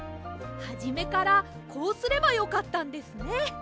はじめからこうすればよかったんですね。